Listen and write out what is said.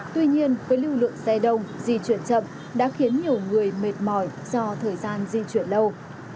tuy nhiên với lưu lượng xe đông di chuyển chậm đã khiến nhiều người mệt mỏi do thời gian di chuyển lâu